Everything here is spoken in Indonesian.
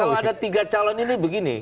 kalau ada tiga calon ini begini